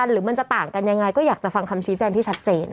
หรือมันจะต่างกันยังไงก็อยากจะฟังคำชี้แจงที่ชัดเจน